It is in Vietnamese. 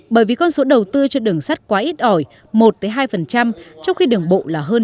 bởi vì con số đầu tư cho đường sắt quá ít ỏi một hai trong khi đường bộ là hơn